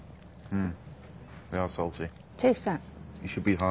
うん。